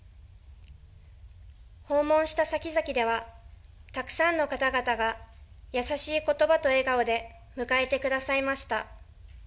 訪問したさきざきでは、たくさんの方々が優しいことばと笑顔で迎えてくださいました。